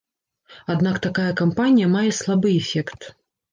Аднак такая кампанія мае слабы эфект.